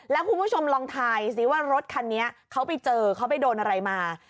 แล้วคุณผู้ชมลองทายสิว่ารถคันนี้เขาไปเจอเขาไปโดนอะไรมา